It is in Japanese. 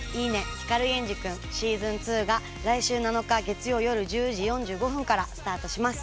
光源氏くんしずん２」が来週７日月曜よる１０時４５分からスタートします。